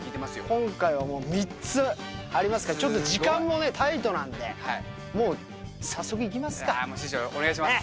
今回は３つありますから、ちょっと時間もタイトなんで、師匠、お願いします。